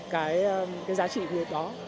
cái giá trị như vậy đó